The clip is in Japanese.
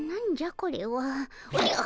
これは。おじゃっ。